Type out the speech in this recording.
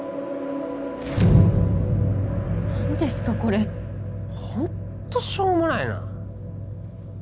何ですかこれホントしょうもないな